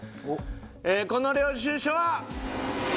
この領収書は。